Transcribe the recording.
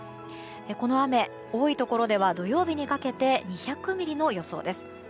この雨、多いところでは土曜日にかけて２００ミリの予想です。